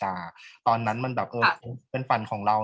กากตัวทำอะไรบ้างอยู่ตรงนี้คนเดียว